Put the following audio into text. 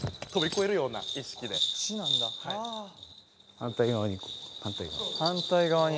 反対側に反対側に。